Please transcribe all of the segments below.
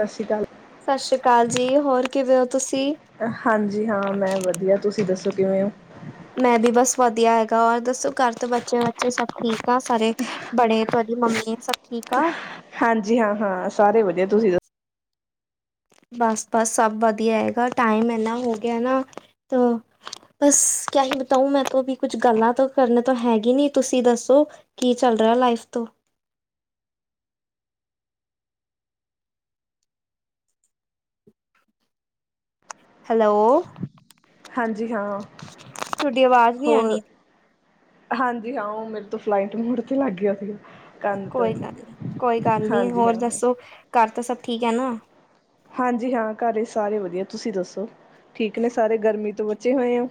ਸਤਿ ਸ਼੍ਰੀ ਅਕਾਲ। ਸਤਿ ਸ਼੍ਰੀ ਅਕਾਲ ਜੀ ਹੋਰ ਕਿਵੇਂ ਹੋ ਤੁਸੀਂ ਹਾਂਜੀ ਹਾਂ ਮੈਂ ਵਧੀਆ ਤੁਸੀਂ ਦੱਸੋ ਕਿਵੇਂ ਓ। ਮੈਂ ਵੀ ਬਸ ਵਧੀਆ ਹੈਗਾ ਵਾ ਹੋਰ ਦੱਸੋ ਘਰ ਤਾ ਬੱਚੇ-ਬੱਚੇ ਸਭ ਠੀਕ ਹਾਂ ਸਾਰੇ ਬੜੇ ਤੁਹਾਡੀ ਮੰਮੀ ਸਭ ਠੀਕ ਆ। ਹਾਂਜੀ ਹਾਂ-ਹਾਂ ਸਾਰੇ ਵਧੀਆ ਤੁਸੀ ਦ ਬਸ-ਬਸ ਸਭ ਵਧੀਆ ਹੈਗਾ ਟਾਈਮ ਇਨਾ ਹੋ ਗਿਆ ਨਾ ਤੋ ਬਸ ਕਿਆ ਹੀ ਬਤਾਊ ਮੈਂ ਤੋਂ ਵੀ ਕੁੱਝ ਤੋਂ ਕਰਨ ਤੋਂ ਹੈਗੀ ਨੀ ਤੁਸੀਂ ਦੱਸੋ। ਕੀ ਚੱਲ ਰਿਆ ਲਾਈਫ ਤੋ ਹੈਲੋ ਹਾਂਜੀ ਹਾਂ। ਤੁਹਾਡੀ ਆਵਾਜ਼ ਨਈ ਹੋਰ ਆਣੀ। ਹਾਂਜੀ ਹਾਂ ਓ ਮੇਰੇ ਤੋਂ ਫਲਾਈਟ ਮੋਡ ਤੇ ਲੱਗ ਗਿਆ ਸੀਗਾ। ਕੰਨ ਤੋਂ ਕੋਈ ਹੀ ਗੱਲ ਨ -ਕੋਈ ਗੱਲ ਨੀ ਹਾਂਜੀ ਹਾਂ ਹੋਰ ਹਾਂ ਦੱਸੋ ਘਰ ਤਾਂ ਸਭ ਠੀਕ ਹੈ ਨਾ। ਹਾਂਜੀ ਹਾਂ ਘਰ ਸਾਰੇ ਵਧੀਆ ਤੁਸੀਂ ਦੱਸੋ ਠੀਕ ਨੇ ਸਾਰੇ ਗਰਮੀ ਤੋਂ ਬਚੇ ਹੋਏ ਓਂ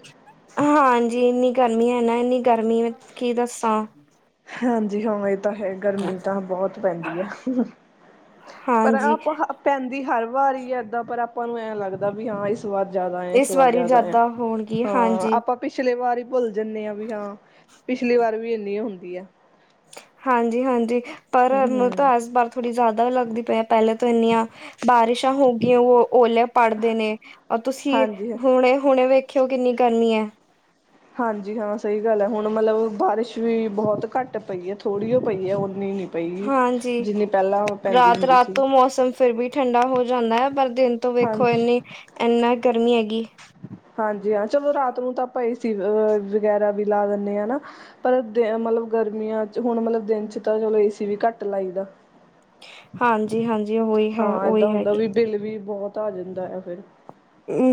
ਹਾਂਜੀ ਇੰਨੀ ਗਰਮੀ ਹੈ ਨਾ ਇਨੀ ਗਰਮੀ ਕੀ ਦੱਸਾਂ। ਹਾਂਜੀ ਹਾਂਵੇ ਤਾਂ ਹੈ ਗਰਮੀ ਬਹੁਤ ਪੈਂਦੀ ਹੈ। ਪਰ ਹਾਂਜੀ ਆਪਾਂ ਪੈਂਦੀ ਹਰ ਵਾਰ ਹੈ ਪਰ ਆਪਾਂ ਨੂੰ ਐਂ ਲੱਗਦਾ ਵੀ ਹਾਂ ਇਸ ਸ ਵਾਰ ਜਾਦਾ ਹੈ -ਇਸ ਵਾਰ ਵਾਰੀ ਜਾਦਾ ਹੈ ਜ਼ਿਆਦਾ ਹੋਣਗੀ ਹਾਂ ਹਾਂਜੀ। ਆਪਾਂ ਪਿਛਲੇ ਵਾਰ ਹੀ ਭੁੱਲ ਜਾਂਣੇ ਆਂ ਵੀ ਆਂ ਪਿਛਲੀ ਵਾਰ ਵੀ ਇੰਨੀ ਹੁੰਦੀ ਆ। ਹਾਂਜੀ-ਹਾਂਜੀ ਪਰ ਮੂੰ ਹਮ ਤਾਂ ਇਸ ਬਾਰ ਥੋੜ੍ਹੀ ਜ਼ਿਆਦਾ ਲੱਗਦੀ ਪਈ ਆ ਪੈਲੇ ਤੋਂ ਇੰਨੀਆਂ ਬਾਰਿਸ਼ਾਂ ਹੋ ਗਈਆਂ। ਉਹ ਓਲੇ ਪੜਦੇ ਨੇ ਤੁਸੀਂ ਹਾਂਜੀ ਹੁਣੇ-ਹੁਣੇ ਵੇਖ ਖਿਓ ਕਿੰਨੀ ਗਰਮੀ ਐ। ਹਾਂਜੀ ਹਾਂ ਸਈ ਗੱਲ ਹੈ ਹੁਣ ਮਤਲਬ ਬਾਰਿਸ਼ ਵੀ ਬਹੁਤ ਘੱਟ ਪਈ ਹੈ ਥੋੜ੍ਹੀ ਓ ਪਈ ਹੈ ਓਨੀ ਨਹੀਂ ਪਈ ਹਾਂਜੀ ਜਿੰਨੀ ਪਹਿਲਾਂ ਪੈਂਦੀ ਹੁੰਦੀ ਰਾਤ-ਰਾਤ ਸੀ ਤੋਂ ਮੌਸਮ ਫਿਰ ਵੀ ਠੰਡਾ ਹੋ ਜਾਂਦਾ ਹੈ ਪਰ ਦਿਨ ਤੋਂ ਵੇਖੋ ਹਾਂਜੀ ਇੰਨੀ ਇੰਨਾ ਗਰਮੀ ਹੈਗੀ। ਹਾਂਜੀ ਹਾਂ ਚਲੋ ਰਾਤ ਨੂੰ ਤਾਂ ਆਪਾਂ ਏਸੀ ਵਗੈਰਾ ਵੀ ਲਾ ਦਿੰਨੇ ਹਨਾ। ਪਰ ਮਤਲਬ ਗਰਮੀਆਂ ਚ ਹੁਨ ਮਤਲਬ ਦਿਨ ਚ ਤਾਂ ਚਲੋ ਏਸੀ ਵੀ ਘੱਟ ਲਾਈ ਦਾ। ਹਾਂਜੀ-ਹਾਂਜੀ ਉਹੀ ਹੈ ਹਾਂ ਉਹੀ ਏਦਾਂ ਹੁੰਦਾ ਹੈਗੀ ਵੀ ਬਿੱਲ ਵੀ ਬਹੁਤ ਆ ਜਾਂਦਾ ਐ ਫਿਰ।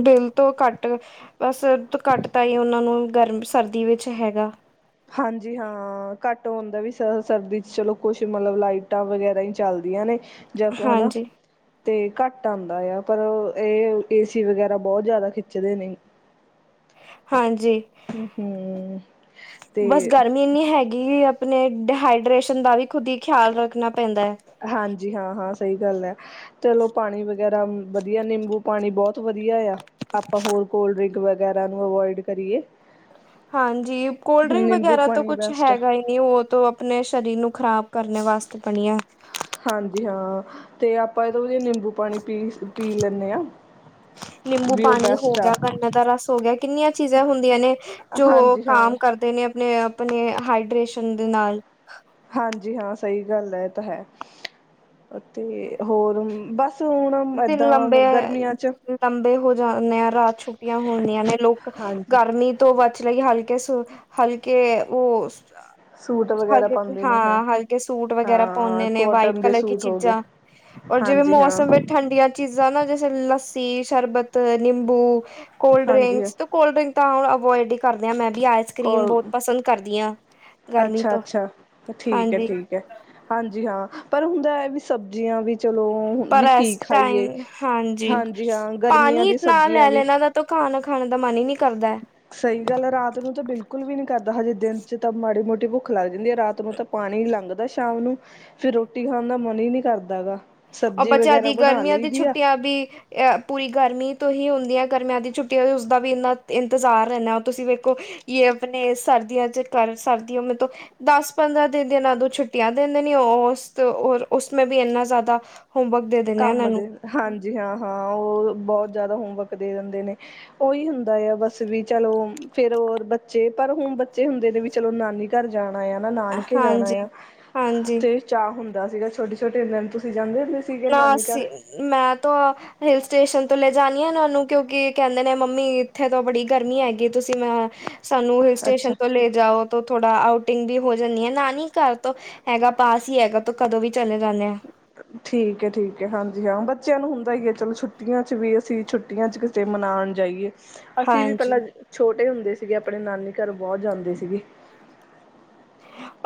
ਬਿਲ ਤੋਂ ਘੱਟ ਬਸ ਘੱਟ ਤਾਂਈ ਓਨਾਂ ਨੂੰ ਗਰਮ ਸਰਦੀ ਵਿੱਚ ਹੈਗਾ। ਹਾਂਜੀ ਹਾਂ ਘੱਟ ਹੁੰਦਾ ਵੀ ਸਰ ਸਰਦੀ ਚ ਚਲੋ ਕੁਛ ਮਤਲਬ ਲਾਈਟਾਂ ਵਗੈਰਾ ਈ ਚੱਲਦੀਆਂ ਨੇ। ਜਬ ਹਨਾ ਤੇ ਘੱਟ ਆਂਦਾ ਆ ਪਰ ਏਹ ਏ ਸੀ ਵਗੈਰਾ ਬਹੁਤ ਜ਼ਾਦਾ ਖਿੱਚਦੇ ਨੇ। ਹਾਂਜੀ। ਹੂੰ-ਹੂੰ, ਬਸ ਤੇ ਗਰਮੀ ਇੰਨੀ ਹੈ ਗੀ ਆਪਨੇ ਡੀਹਾਈਡ੍ਰੇਸ਼ਨ ਦਾ ਵੀ ਖੁਦ ਈ ਖਿਆਲ ਰੱਖਨਾ ਪੈਂਦਾ ਐ। ਹਾਂਜੀ ਹਾਂ-ਹਾਂ ਸਈ ਗੱਲ ਐ। ਚਲੋ ਪਾਨੀ ਵਗੈਰਾ ਵਦੀਆ ਨੇਂਬੂ ਪਾਨੀ ਬਹੁਤ ਵਦੀਆ ਆ। ਆਪਾਂ ਹੋਰ ਕੋਲਡ ਡ੍ਰਿੰਕ ਵਗੈਰਾ ਨੂੰ ਅਵੋਇਡ ਕਰੀਏ। ਹਾਂਜੀ ਕੋਲਡ ਡਰਿੰਕ ਨਿੰਬੂ ਵਗੈਰਾ ਤੋ ਪਾਣੀ ਕੁਛ ਬੈਸਟ ਆ। ਹੈਗਾ ਏ ਨਈ ਓ ਤੋ ਆਪਨੇ ਸਰੀਰ ਨੂੰ ਖ਼ਰਾਬ ਕਰਨੇ ਵਾਸਤੇ ਬਣੀ ਐ। ਹਾਂਜੀ ਹਾਂ, ਤੇ ਆਪਾਂ ਇਹਦੋਂ ਵਦੀਆ ਨੇਂਬੂ ਪਾਨੀ ਪੀ ਲੈਂਨੇ ਆਂ। ਨਿੰਬੂ ਪਾਨੀ ਹੋ ਗਿਆ ਗੰਨੇ ਦਾ ਰਸ ਹੋ ਗਿਆ ਕਿੰਨੀਆਂ ਚੀਜ਼ਾਂ ਹੁੰਦੀਆਂ ਨੇ ਜੋ ਹਾਂਜੀ ਹਾਂ ਕਾਮ ਕਰ ਕਰਦੇ ਨੇ ਆਪਣੇ ਹਾਈਡ੍ਰੇਸ਼ਨ ਦੇ ਨਾਲ। ਹਾਂਜੀ ਹਾਂ ਸਈ ਗੱਲ ਐ ਇਹ ਤਾਂ ਹੈ, ਤੇ ਹੋਰ ਬਸ ਹੁਣ ਦਿਨ ਏਦਾਂ ਗਰਮੀਆਂ ਚ ਲੰਬੇ-ਲੰਬੇ ਹੋ ਜਾਂਨੇ ਆਂ ਰਾਤ ਛੁੱਟੀਆਂ ਹੁੰਦੀਆਂ ਨੇ ਲੋਕ ਹਾਂਜੀ ਗਰਮੀ ਤੋਂ ਬਚਨ ਲਈ ਹਲਕੇ ਸ ਹਲਕੇ ਓ ਸੂਟ ਹਲ ਵਗੈਰਾ ਪਾਉਂਦੇ ਨੇ ਹਾਂ ਹਲਕੇ ਸੂਟ ਵਗੈਰਾ ਹਾਂ ਪਾਉਂਦੇ ਨੇ ਵਾਈਟ ਕੋਟਨ ਦੇ ਕਲਰ ਕੀ ਸੂਟ ਹੋ ਗਏ ਚੀਜ਼ਾਂ ਔਰ ਜਿਵੇਂ ਹਾਂਜੀ ਹਾਂ ਮੌਸਮ ਵਿੱਚ ਠੰਡੀਆਂ ਚੀਜ਼ਾਂ ਨਾ ਜੈਸੇ ਲੱਸੀ, ਸ਼ਰਬਤ, ਨਿੰਬੂ, ਕੋਲਡ ਹਾਂਜੀ ਹਾਂ ਡਰਿੰਕਸ ਕੋਲਡ ਡਰਿੰਕ ਤਾਂ ਹੁਨ ਅਵੋਇਡ ਈ ਕਰਦੇ ਆਂ ਮੈਂ ਵੀ ਆਏਲਸ ਕਰੀਮ ਕੋਲ ਬੋਤ ਪਸੰਦ ਕਰਦੀ ਆਂ ਗਰਮੀ ਅੱਛਾ ਤੋਂ, ਅੱਛਾ ਠੀਕ ਹੈ ਹਾਂਜੀ। ਠੀਕ ਐ ਹਾਂਜੀ ਹਾਂ ਪਰ ਹੁੰਦਾ ਐ ਵੀ ਸਬਜ਼ੀਆਂ ਵੀ ਚਲੋ ਪਰ ਵੀ ਕੀ ਇਸ ਟਾਈਮ ਖਾਈਏ, ਹਾਂਜੀ ਹਾਂ ਗਰਮੀਆਂ ਦੀ ਸਬਜ਼ੀਆਂ ਵੀ ਤ ਖਾਨਾ ਖਾਨ ਦਾ ਮਨ ਈ ਨਈ ਕਰਦਾ। ਸਈ ਗੱਲ ਐ ਰਾਤ ਨੂੰ ਤਾਂ ਬਿਲਕੁਲ ਵੀ ਨਈ ਕਰਦਾ ਹਜੇ ਦਿਨ ਚ ਤਾਂ ਮਾੜੀ ਮੋਟੀ ਭੁੱਖ ਲੱਗ ਜਾਂਦੀ ਐ ਰਾਤ ਨੂੰ ਤਾਂ ਪਾਨੀ ਲੰਘਦਾ ਸ਼ਾਮ ਨੂੰ, ਫੇਰ ਰੋਟੀ ਖਾਣ ਦਾ ਮਨ ਈ ਨਈ ਕਰਦਾਗਾ। ਆ ਬੱਚਿਆਂ ਦੀ ਗਰਮੀਆਂ ਦੀ ਛੁੱਟੀਆਂ ਵੀ ਪੂਰੀ ਗਰਮੀ ਤੋਂ ਹੀ ਹੁੰਦੀ ਹੈ ਗਰਮੀਆਂ ਦੀ ਛੁੱਟੀਆਂ ਵੀ ਉਸਦਾ ਵੀ ਇੰਨਾ ਇੰਤਜ਼ਾਰ ਰੈਨਾ ਹੋ ਤੁਸੀਂ ਵੇਖ ਕੋ ਯੇ ਆਪਨੇ ਸਰਦੀਆਂ ਚ ਕਰ ਸਰਦੀਓਂ ਮੇਂ ਤੋ ਦਸ ਪੰਦਰਾਂ ਦਿਨ ਦੇ ਏਨਾਂ ਨੂੰ ਛੁੱਟੀਆਂ ਦਿੰਦੇ ਨੇ ਓਸ ਉਸ ਮੇ ਵੀ ਇੰਨਾ ਜ਼ਾਦਾ ਹੋਮਵਰਕ ਦੇ ਕੰਮ ਦੇ ਹਾਂਜੀ ਹਾਂ-ਹਾਂ ਓ ਬਹੁਤ ਜ਼ਾਦਾ ਹੋਮਵਰਕ ਦੇ ਦਿੰਦੇ ਨੇ। ਓਈ ਹੁੰਦਾ ਆ ਬਸ ਵੀ ਚਲੋ ਫੇਰ ਹੋਰ ਬੱਚੇ ਪਰ ਹੁਨ ਬੱਚੇ ਹੁੰਦੇ ਨੇ ਵੀ ਚਲੋ ਨਾਨੀ ਘਰ ਜਾਨਾ ਆ ਨਾ ਨਾਨਕੇ ਜਾਨਾ ਆ, ਹਾਂਜੀ ਹਾਂਜੀ ਤੇ ਚਾਅ ਹੁੰਦਾ ਸੀਗਾ ਛੋਟੇ ਛੋਟੇ ਦਿਨ ਤੁਸੀਂ ਜਾਂਦੇ ਹੁੰਦੇ ਸੀਗੇ। ਨਾ ਨਾਨੀ ਅਸੀ ਘਰ ਮੈਂ ਤਾਂ ਹਿਲ ਸਟੇਸ਼ਨ ਤੋਂ ਲੈ ਜਾਣੀ ਆ ਨਾ ਓਨੂੰ ਕਿਓਂਕਿ ਕੈਂਦੇ ਨੇ ਮੰਮੀ ਇੱਥੇ ਤੋਂ ਬੜੀ ਗਰਮੀ ਹੈਗੀ ਤੁਸੀਂ ਮੈਂ ਸਾਨੂੰ ਹਿਲ ਸਟੇਸ਼ਨ ਅੱਛਾ ਤੋਂ ਲੇ ਜਾਓ। ਤੋ ਥੋੜਾ ਆਊਟਿੰਗ ਵੀ ਹੋ ਜਾਂਨੀ ਏ ਨਾਨੀ ਘਰ ਤੋਂ ਹੈਗਾ ਪਾਸ ਈ ਹੈਗਾ ਤੋ ਕਦੋਂ ਵੀ ਚਲੇ ਜਾਂਨੇ ਆ। ਠੀਕ ਐ -ਠੀਕ ਐ ਹਾਂਜੀ ਹਾਂ ਬੱਚਿਆਂ ਨੂੰ ਹੁੰਦਾ ਈ ਐ ਚਲੋ ਛੁੱਟੀਆਂ ਚ ਵੀ ਅਸੀਂ ਛੁੱਟੀਆਂ ਚ ਕ ਕਿੱਤੇ ਮਨਾਣ ਜਾਈਏ। ਅਸੀਂ ਵੀ ਹਾਂਜੀ ਪਹਿਲਾਂ ਛੋਟੇ ਹੁੰਦੇ ਸੀਗੇ, ਆਪਣੇ ਨਾਨੀ ਘਰ ਬਹੁਤ ਜਾਂਦੇ ਸੀਗੇ।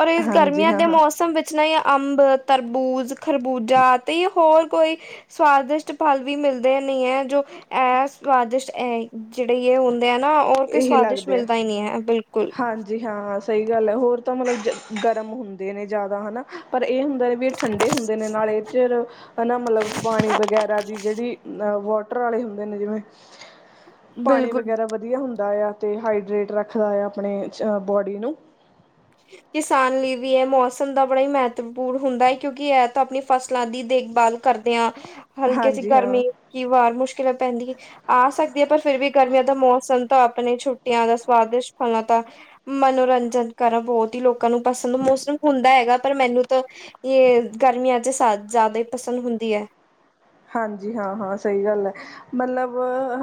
ਔਰ ਇਸ ਹਾਂਜੀ ਗਰਮੀਆਂ ਹਾਂ ਦੇ ਹਾਂ ਮੌਸਮ ਵਿੱਚ ਨਾ ਇਹ ਅੰਬ, ਤਰਬੂਜ਼ ਖਰਬੂਜਾ ਤੇ ਹੋਰ ਕੋਈ ਸਵਾਦਿਸ਼ਟ ਫਲ ਵੀ ਮਿਲਦੇ ਨੀਂ ਐ ਜੋ ਐ ਸਵਾਦਿਸ਼ਟ ਐ ਜੇੜੇ ਯੇ ਹੁੰਦ ਦੇ ਐ ਨਾ, ਹੋਰ ਕੋਈ ਇਹੀ ਸਵਾਦਿਸ਼ਟ ਲੱਗਦੇ ਆ ਮਿਲਦਾ ਹੀ ਨੀਂ ਐ, ਬਿਲਕੁਲ। ਹਾਂਜੀ ਹਾਂ। ਸਹੀ ਗੱਲ ਐ, ਹੋਰ ਤਾਂ ਮਤਲਬ 'ਜ ਗਰਮ ਹੁੰਦੇ ਨੇ ਜਾਦਾ ਹੈ ਨਾ। ਪਰ ਇਹ ਹੁੰਦੈ ਵਿ ਠੰਡੇ ਹੁੰਦੇ ਨੇ ਨਾਲੇ, ਚਿਰ ਹਨਾ ਮਤਲਬ, ਪਾਣੀ ਵਗੈਰਾ ਦੀ ਜੇੜੀ ਲ ਵੋ ਟਰਾਲੇ ਹੁੰਦੇ ਨੇ ਜਿਵੇਂ, ਪਾਣੀ ਬਿਲਕੁਲ ਵਗੈਰਾ ਵਧ ਵਧੀਆ ਹੁੰਦਾ ਆ ਤੇ ਹਾਈਡਰੇਟ ਰੱਖਦਾ ਆ ਆਪਣੇ ਬੋਡੀ ਨੂੰ। ਕਿਸਾਨ ਲਈ ਵੀ ਇਹ ਮੌਸਮ ਦਾ ਬੜਾ ਹੀ ਮਹੱਤਵਪੂਰਨ ਹੁੰਦਾ ਹੈ, ਕਿਉਂਕਿ ਇਹ ਤਾਂ ਆਪਣੀ ਫਸਲਾਂ ਦੀ ਦੇਖਭਾਲ ਕਰਦੇ ਹਾਂ, ਹਲਕੇ 'ਚ ਹਾਂਜੀ ਹਾਂ ਗਰਮੀ ਕੀ ਵਾਰ ਮੁਸ਼ਕਿਲਾਂ ਪੈਂਦੀ ਆ ਸਕਦੀ ਏ, ਪਰ ਫਿਰ ਵੀ ਗਰਮੀਆਂ ਦਾ ਮੌਸਮ ਤਾਂ ਆਪਣੇ ਛੁੱਟੀਆਂ ਦਾ ਸਵਾਦਿਸ਼ਟ ਫਲਾਂ ਦਾ ਮਨੋਰੰਜਨ ਕਰ ਬਹੁਤ ਹੀ ਲੋਕਾਂ ਨੂੰ ਪਸੰਦ, ਮੌਸਮ ਹੁੰਦਾ ਹੈਗਾ ਪਰ ਮੈਨੂੰ ਤਾਂ ਯੇ ਗਰਮੀਆਂ 'ਚ ਸਾ ਜ਼ਿਆਦਾ ਹੀ ਪਸੰਦ ਹੁੰਦੀ ਐ। ਹਾਂਜੀ ਹਾਂ- ਹਾਂ, ਸਹੀ ਗੱਲ ਐ। ਮੱਲਬ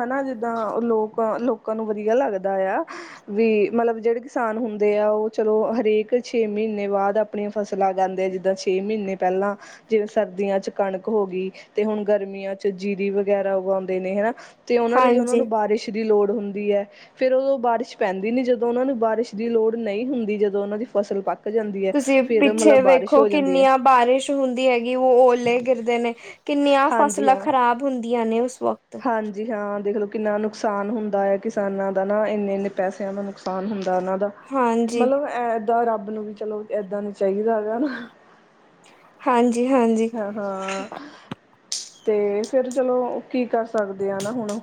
ਹਨਾ ਜਿੱਦਾਂ ਲੋਕ, ਲੋਕਾਂ ਨੂੰ ਵਧੀਆ ਲੱਗਦਾ ਯਾ ਵੀ ਮਲਬ ਜਿਹੜੇ ਕਿਸਾਨ ਹੁੰਦੇ ਆ, ਉਹ ਚਲੋ ਹਰੇਕ ਛੇ ਮਹੀਨੇ ਬਾਦ ਆਪਣੀ ਫਸਲਾਂ ਉਗਾਂਦੇ ਜਿੱਦਾਂ ਛੇ ਮਹੀਨੇ ਪਹਿਲਾਂ, ਜਿਵੇਂ ਸਰਦੀਆਂ ਚ ਕਣਕ ਹੋ ਗਈ ਤੇ ਹੁਣ ਗਰਮੀਆਂ 'ਚ ਜੀਰੀ ਵਗੈਰਾ ਉਗਾਉਂਦੇ ਨੇ ਹਨਾ, ਤੇ ਉਹਨਾਂ ਲਈ ਉਹਨਾਂ ਹਾਂਜੀ ਨੂੰ ਬਾਰਿਸ਼ ਦੀ ਲੋੜ ਹੁੰਦੀ ਐ। ਫੇਰ ਉਦੋਂ ਬਾਰਿਸ਼ ਪੈਂਦੀ ਨੀ, ਜਦੋਂ ਉਹਨਾਂ ਨੂੰ ਬਾਰਿਸ਼ ਦੀ ਲੋੜ ਨਹੀਂ ਹੁੰਦੀ, ਜਦੋਂ ਉਹਨਾਂ ਦੀ ਫਸਲ ਪੱਕ ਜਾਂਦੀ ਹੈ ਤੁਸੀਂ ਫਿਰ ਮਤਲਬ ਪਿੱਛੇ ਬਾਰਿਸ਼ ਵੇਖੋ, ਹੋ ਜਾਂਦੀ ਹੈ ਕਿੰਨੀਆਂ ਬਾਰਿਸ਼ ਹੁੰਦੀ ਹੈਗੀ, ਉਹ ਓਲੇ ਗਿਰਦੇ ਨੇ, ਕਿੰਨੀਆਂ ਹਾਂਜੀ ਫਸਲਾਂ ਹਾਂ ਖ਼ਰਾਬ ਹੁੰਦੀਆਂ ਨੇ ਉਸ ਵਕਤ। ਹਾਂਜੀ ਹਾਂ, ਦੇਖ ਲਓ ਕਿੰਨਾ ਨੁਕਸਾਨ ਹੁੰਦਾ ਹੈ ਕਿਸਾਨਾਂ ਦਾ ਨਾ, ਇੰਨੇ-ਇੰਨੇ ਪੈਸਿਆਂ ਦਾ ਨੁਕਸਾਨ ਹੁੰਦਾ ਉਨਾਂ ਦਾ। ਹਾਂਜੀ ਮਤਲਬਦਾਂ ਏਦਾਂ ਰੱਬ ਨੂੰ ਵੀ ਚਲੋ, ਏਦਾਂ ਨੀਂ ਚਾਹੀਦਾ ਹੈਗਾ ਨਾ। ਹਾਂਜੀ-ਹਾਂਜੀ। ਹ-ਹਾਂ, ਤੇ ਫ਼ੇਰ ਚਲੋ ਕੀ ਕਰ ਸਕਦੇ ਆ ਨਾ ਹੁਣ।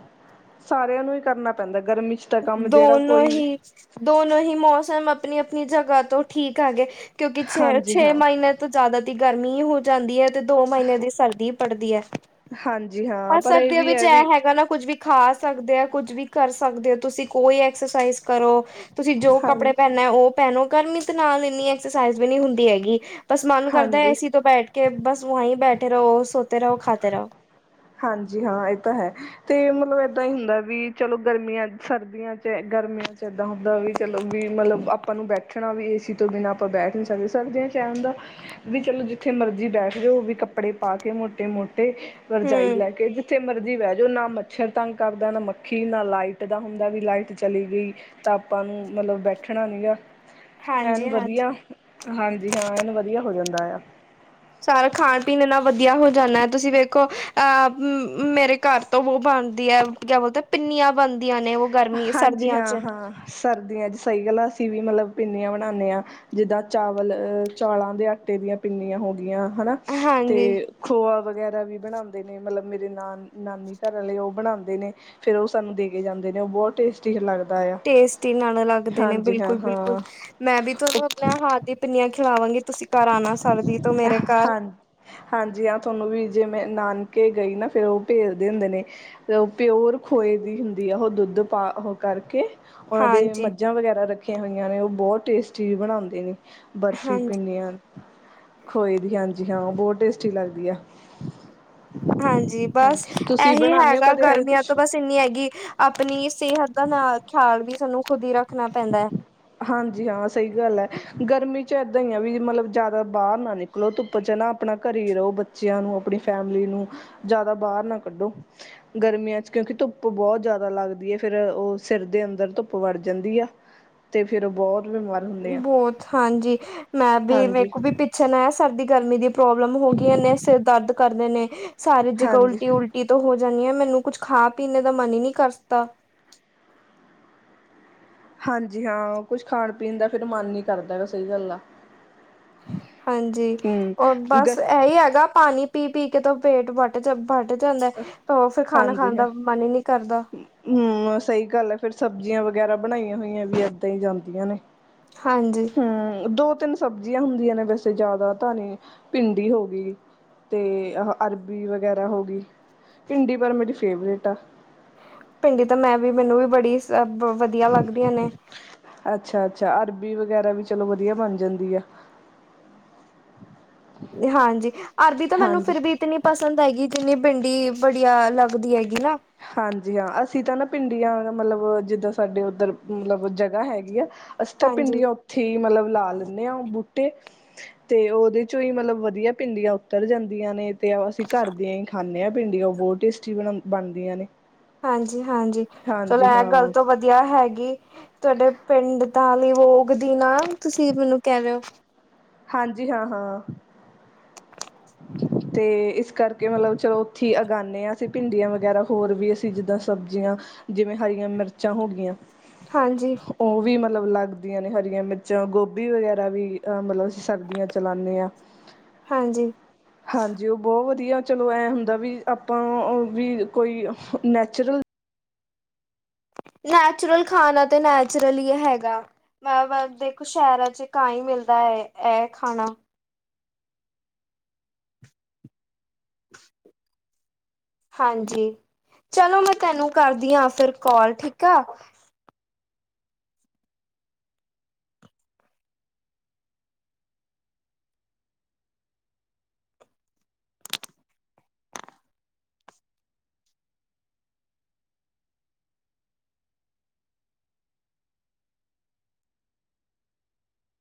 ਸਾਰਿਆਂ ਨੂੰ ਹੀ ਕਰਨਾ ਪੈਂਦਾ ਗਰਮੀ 'ਚ ਤਾਂ ਕੰਮ ਜਿਹੜਾ ਦੋਨੋ ਕੋਈ ਵੀ ਹੀ ਦੋਨੋ ਹੀ ਮੌਸਮ ਅਪਨੀ-ਅਪਨੀ ਜਗ੍ਹਾ ਤੋਂ ਠੀਕ ਹੈਗੇ, ਕਿਉਂਕਿ ਛੇ- ਹਾਂਜੀ ਛੇ ਹਾਂ ਮਹੀਨੇ ਤੋ ਜ਼ਿਆਦਾ ਤ ਗਰਮੀ ਹੀ ਹੋ ਜਾਂਦੀ ਹੈ, ਤੇ ਦੋ ਮਹੀਨੇ ਦੀ ਸਰਦੀ ਪੜਦੀ ਹੈ। ਹਾਂਜੀ ਹਾਂ ਪਰ ਇਹ ਸਰਦੀਆਂ ਵੀ ਵਿੱਚ ਹੈ ਵੀ ਇਹ ਹੈਗਾ ਨਾ ਕੁੱਝ ਵੀ ਖਾ ਸਕਦੇ ਆ, ਕੁੱਝ ਵੀ ਕਰ ਸਕਦੇ ਹੋ, ਤੁਸੀਂ ਕੋਈ ਵੀ ਐਕਸਰਸਾਈਸ ਕਰੋ। ਤੁਸੀਂ ਜੋ ਹਾਂ ਕੱਪੜੇ ਪਹਿਨਨਾ ਹੈ ਉਹ ਪਹਿਨੋ, ਗਰਮੀ 'ਚ ਤੇ ਨਾਲ ਇੰਨੀ ਐਕਸਰਸਾਈਜ਼ ਵੀ ਨਹੀਂ ਹੁੰਦੀ ਹੈਗੀ। ਬਸ ਮਨ ਕਰਦੈ ਹਾਂਜੀ ਏਸੀ ਤੋਂ ਬੈਠ ਕੇ ਬਸ ਵਹੀਂ ਬੈਠੇ ਰਹੋ, ਸੋਤੇ ਰਹੋ, ਖਾਤੇ ਰਹੋ। ਹਾਂਜੀ ਹਾਂ, ਇਹ ਤਾਂ ਹੈ। ਤੇ ਮਤਲਬ ਏਦਾਂ ਹੀ ਹੁੰਦਾ ਵੀ ਚਲੋ ਗਰਮੀਆਂ, ਸਰਦੀਆਂ 'ਚ, ਗਰਮੀਆਂ ਚ ਏਦਾਂ ਹੁੰਦਾ ਵੀ ਚਲੋ ਵੀ ਮਤਲਬ ਆਪਾਂ ਨੂੰ ਬੈਠਣਾ ਵੀ ਏ ਸੀ ਤੋਂ ਬਿਨਾਂ ਆਪਾਂ ਬੈਠ ਨਹੀਂ ਸਕਦੇ, ਸਰਦੀਆਂ 'ਚ ਐ ਹੂੰਦਾ ਵੀ ਚਲੋ ਜਿੱਥੇ ਮਰਜ਼ੀ ਬੈਠ ਜੌ, ਵੀ ਕੱਪੜੇ ਪਾ ਕੇ ਹੁਣ ਤੇ ਮੋਟੇ ਵ ਰਜਾਈ ਹੂੰ, ਲੈ ਕੇ, ਜਿੱਥੇ ਮਰਜ਼ੀ ਬਹਿ ਜੋ, ਨਾ ਮੱਛਰ ਤੰਗ ਕਰਦਾ, ਨਾ ਮੱਖੀ, ਨਾ ਲਾਈਟ ਦਾ ਹੁੰਦਾ ਵੀ ਲਾਈਟ ਚਲੀ ਗਈ। ਤਾਂ ਆਪਾਂ ਨੂੰ ਮਤਲਬ ਬੈਠਣਾ ਨੀ ਗਾ। ਐਨ ਹਾਂਜੀ-ਹਾਂਜੀ। ਵਧੀਆ, ਹਾਂਜੀ ਹਾਂ, ਐਨ ਵਧੀਆ ਹੋ ਜਾਂਦਾ ਆ। ਸਾਰਾ ਖਾਣ ਪੀਣ ਇਨਾ ਵਧੀਆ ਹੋ ਜਾਂਦਾ ਹੈ। ਤੁਸੀਂ ਵੇਖੋ ਅਹ ਮੇਰੇ ਘਰ ਤੋਂ ਵੋ ਬਣਦੀ ਹੈ। ਕਿਆ ਬੋਲਦੇ, ਓਹ ਪਿੰਨੀਆਂ ਬਣਦੀਆਂ ਨੇ ਉਹ ਗਰਮੀ ਹਾਂਜੀ ਸਰਦੀਆਂ ਹਾਂ ਚ। ਹਾਂ ਸਰਦੀਆਂ 'ਚ ਸਹੀ ਗੱਲਾਂ ਅਸੀਂ ਵੀ ਮਤਲਬ ਪਿੰਨੀਆਂ ਬਣਾਉਂਦੇ ਹਾਂ। ਜਿੱਦਾਂ ਚਾਵਲ ਅਹ! ! ਚੌਲਾਂ ਦੇ ਆਟੇ ਦੀਆਂ ਪਿੰਨੀਆਂ ਹੋ ਗਈਆਂ ਹਨਾ। ਤੇ ਹਾਂਜੀ ਖੋਆ ਵਗੈਰਾ ਵੀ ਬਣਾਉਂਦੇ ਨੇ। ਮਤਲਬ ਮੇਰੇ ਨਾਨੀ ਘਰ ਵਾਲੇ ਉਹ ਬਣਾਉਂਦੇ ਨੇ। ਫੇਰ ਉਹ ਸਾਨੂੰ ਦੇ ਕੇ ਜਾਂਦੇ ਨੇ। ਉਹ ਬਹੁਤ ਟੇਸਟੀ ਲੱਗਦਾ। ਆ ਟੇਸਟੀ ਨਾਲ ਲੱਗਦੇ ਨੇ, ਹਾਂਜੀ ਹਾਂ ਬਿਲਕੁਲ -ਬਿਲਕੁਲ, ਹਾਂ ਮੈਂ ਵੀ ਤੁਹਾਨੂੰ ਉਹ ਆਪਣਾ ਹਥ ਦੀ ਪਿੰਨੀਆਂ ਖਿਲਾਵਾਂਗੀ ਤੁਸੀਂ ਘਰ ਆਣਾ ਸਰਦੀ ਤੋਂ ਮੇਰੇ ਘਰ ਹਾਂ ਹਾਂਜੀ ਹਾਂ, ਤੁਹਾਨੂੰ ਵੀ ਜਿਵੇਂ ਨਾਨਕੇ ਗਈ ਨਾ ਫੇਿਰ ਉਹ ਭੇਜਦੇ ਹੁੰਦੇ ਨੇ। ਉਹ ਪਿਓਰ ਖੋਏ ਦੀ ਹੁੰਦੀ ਆ ਉਹ ਦੁੱਧ ਪਾ ਕਰਕੇ ਉਹਨਾਂ ਦੇ ਹਾਂਜੀ ਮੱਝਾਂ ਵਗੈਰਾ ਰੱਖੀਆਂ ਹੋਈਆਂ ਨੇ। ਉਹ ਬਹੁਤ ਟੇਸਟੀ ਬਣਾਉਂਦੇ ਨੇ ਬਰਫ਼ੀ ਹਾਂਜੀ ਖੋਏ ਦੀਆ ਹਾਂਜੀ ਹਾਂ ਉਹ ਬਹੁਤ ਟੇਸਟੀ ਲੱਗਦੀ ਆ। ਹਾਂਜੀ, ਬਸ ਹਾਂਜੀ ਤੁਸੀਂ ਇਹੀ ਬਣਾਉਂਦੇ ਹੋ ਹੈਗਾ ਕਦੇ ਗਰਮੀਆਂ ਕੁਛ ਤੋਂ ਬਸ ਇੰਨੀ ਹੈਗੀ ਆਪਣੀ ਸਿਹਤ ਦਾ ਖਿਆਲ ਵੀ ਸਾਨੂੰ ਖੁਦ ਹੀ ਰੱਖਣਾ ਪੈਂਦਾ ਹੈ। ਹਾਂਜੀ ਹਾਂ, ਸਹੀ ਗੱਲ ਹੈ। ਗਰਮੀ ਚ ਏਦਾਂ ਹੀ ਆ ਵੀ ਮਤਲਬ ਜ਼ਿਆਦਾ ਬਾਹਰ ਨਾ ਨਿਕ ਮਤਲਬ ਧੁੱਪ ਚ ਨਾ ਆਪਣਾ ਘਰ ਰਹੋ। ਬੱਚਿਆਂ ਨੂੰ ਆਪਣੀ ਫੈਮਿਲੀ ਨੂੰ ਜ਼ਿਆਦਾ ਬਾਹਰ ਨਾ ਕੱਢੋ। ਗਰਮੀਆਂ ਚ ਕਿਉਂਕਿ ਧੁੱਪ ਬਹੁਤ ਜ਼ਿਆਦਾ ਲੱਗਦੀ ਹੈ। ਫੇਰ ਉਹ ਸਿਰ ਦੇ ਅੰਦਰ ਧੁੱਪ ਵੜ ਜਾਂਦੀ ਆ। ਤੇ ਫੇਰ ਉਹ ਬਹੁਤ ਬਿਮਾਰੀ ਬਹੁਤ ਹਾਂਜੀ, ਮੈਂ ਵੀ ਹਾਂਜੀ ਵੇਖੋ ਪਿੱਛੇ ਆ ਸਰਦੀ ਗਰਮੀ ਦੀ ਪ੍ਰੋਬਲਮ ਹੋ ਗਈਆਂ ਨੇ। ਸਿਰ ਦਰਦ ਕਰਦੇ ਨੇ। ਸਾਰੇ ਜ੍ਗਾ ਹਾਂਜੀ ਉਲਟੀ ਉਲਟੀ ਟੀ ਤੋਂ ਹੋ ਜਾਂਣੀ ਆ ਮੈਨੂੰ ਕੁੱਝ ਖਾ ਪੀਣੇ ਦਾ ਮਨ ਹੀ ਨਹੀਂ ਕਰਦਾ। ਹਾਂਜੀ ਹਾਂ, ਕੁਛ ਖਾਣ ਪੀਣ ਦਾ ਫਿਰ ਮਨ ਨਹੀਂ ਕਰਦਾ। ਸਹੀ ਗੱਲ ਆ। ਹਾਂਜੀ, ਹਮ ਉਹ ਗ ਬਸ ਇਹੀ ਹੈਗਾ ਪਾਣੀ ਪੀ ਪੀ ਕੇ ਤੋਂ ਪੇਟ ਵਟ ਚ ਫਟ ਜਾਂਦਾ। ਤਾਂ ਉਹ ਫਿਰ ਖਾਣਾ ਖਾਣ ਹਾਂਜੀ ਹਾਂ ਦਾ ਮਨ ਹੀ ਨਹੀਂ ਕਰਦਾ। ਹਮ ਸਹੀ ਗੱਲ ਹੈ ਫੇਰ ਸਬਜ਼ੀਆਂ ਵਗੈਰਾ ਬਣਾਈਆਂ ਹੋਈਆਂ ਵੀ ਏਦਾਂ ਹੀ ਜਾਂਦੀਆਂ ਨੇ। ਹਾਂਜੀ। ਹਮ ਦੋ ਤਿੰਨ ਸਬਜ਼ੀਆਂ ਹੁੰਦੀਆਂ ਨੇ ਵੈਸੇ ਜ਼ਿਆਦਾ ਤਾਂ ਨਹੀਂ ਭਿੰਡੀ ਹੋ ਗਈ। ਅਤੇ ਅਰਬੀ ਵਗੈਰਾ ਹੋ ਗਈ। ਭਿੰਡੀ ਪਰ ਮੇਰੀ ਫੇਵਰੇਟ ਆ। ਭਿੰਡੀ ਤਾਂ ਮੈਂ ਵੀ ਮੈਨੂੰ ਵੀ ਬੜੀ ਵਧੀਆ ਲੱਗਦੀਆਂ ਨੇ। ਅੱਛਾ, ਅੱਛਾ ਅਰਬੀ ਵਗੈਰਾ ਵੀ ਚਲੋ ਵਧੀਆ ਬਣ ਜਾਂਦੀ ਆ। ਹਾਂਜੀ, ਅਰਬੀ ਤਾਂ ਮੈਨੂੰ ਹਾਂਜੀ ਫਿਰ ਵੀ ਇਤਨੀ ਪਸੰਦ ਹੈਗੀ ਜਿੰਨੀ ਭਿੰਡੀ ਬੜੀਆ ਲੱਗਦੀ ਹੈਗੀ ਨਾ। ਹਾਂਜੀ ਹਾਂ, ਅਸੀਂ ਤਾਂ ਨਾ ਭਿੰਡੀਆਂ ਮਤਲਬ ਜਿੱਦਾਂ ਸਾਡੇ ਉੱਧਰ ਮਤਲਬ ਜਗ੍ਹਾ ਹੈਗੀ ਆ। ਅਸੀ ਤਾਂ ਹਾਂਜੀ ਭਿੰਡੀਆਂ ਉੱਥੇ ਹੀ ਮਤਲਬ ਲਾ ਦਿਨੇ ਆ ਬੂਟੇ। ਤੇ ਉਹਦੇ ਚੋਂ ਹੀ ਮਤਲਬ ਵਧੀਆ ਭਿੰਡੀਆਂ ਉੱਤਰ ਜਾਂਦੀਆਂ ਨੇ। ਤੇ ਅਸੀਂ ਘਰ ਦੀਆਂ ਹੀ ਖਾਂਦੇ ਹਾਂ ਭਿੰਡੀਆਂ। ਉਹ ਬਹੁਤ ਟੇਸਟੀ ਬ ਬਣਦੀਆਂ ਨੇ। ਹਾਂਜੀ, ਹਾਂਜੀ, ਚਲੋ ਹਾਂਜੀ ਇਹ ਗੱਲ ਹਾਂ ਤੋਂ ਵਧਆ ਵਧੀਆ ਹੈਗੀ। ਤੁਹਾਡੇ ਪਿੰਡ ਤਾਂ ਵੀ ਉਗਦੀ ਨਾ ਤੁਸੀਂ ਮੈਨੂੰ ਕਹਿ ਰਹੇ ਹੋ। ਹਾਂਜੀ ਹਾਂ ਹਾਂ। ।। ਅਤੇ ਇਸ ਕਰਕੇ ਮਤਲਬ ਚਲੋ ਉੱਥੇ ਹੀ ਉਗਾਉਂਦੇ ਹਾਂ ਅਸੀਂ ਭਿੰਡੀਆਂ ਵਗੈਰਾ ਹੋਰ ਵੀ ਅਸੀਂ ਜਿੱਦਾਂ ਸਬਜ਼ੀਆਂ। ਜਿਵੇਂ ਹਰੀਆਂ ਮਿਰਚਾਂ ਹੋ ਗਈਆਂ। ਹਾਂਜੀ। ਉਹ ਵੀ ਮਤਲਬ ਲੱਗਦੀਆਂ ਨੇ ਹਰੀਆਂ ਮਿਰਚਾਂ, ਗੋਭੀ ਵਗੈਰਾ ਵੀ ਅ ਮਤਲਬ ਅਸੀਂ ਸਰਦੀਆਂ ਚਲਾਉਂਦੇ ਹਾਂ। ਹਾਂਜੀ। ਹਾਂਜੀ। ਉਹ ਬਹੁਤ ਵਧੀਆ ਚਲੋ ਐਂ ਹੁੰਦਾ ਵੀ ਆਪਾਂ ਵੀ ਕੋਈ ਨੈਚੁਰਲ ਨੈਚੁਰਲ ਖਾਣਾ ਤੇ ਨੈਚੁਰਲ ਹੀ ਹੈਗਾ ਮੈਂ ਦੇਖੋ ਸ਼ਹਿਰਾਂ ਚ ਕਾ ਹੀ ਮਿਲਦਾ ਹੈ ਇਹ ਖਾਣਾ [inaudible] ਹਾਂਜੀ, ਚਲੋ ਮੈਂ ਤੈਨੂੰ ਕਰਦੀ ਹਾਂ, ਫਿਰ ਕਾਲ ਠੀਕ ਆ।